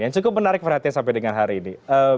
yang cukup menarik perhatian sampai dengan hari ini